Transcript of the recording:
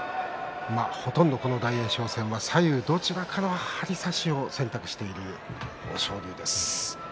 大栄翔戦は左右どちらからも張り差しを選択している豊昇龍です。